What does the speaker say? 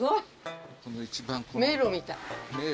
迷路みたい。